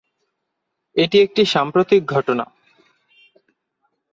এটি একটি সাম্প্রতিক ঘটনা।